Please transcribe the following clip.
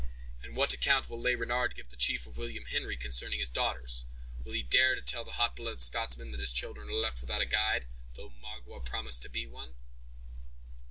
"And what account will Le Renard give the chief of William Henry concerning his daughters? Will he dare to tell the hot blooded Scotsman that his children are left without a guide, though Magua promised to be one?"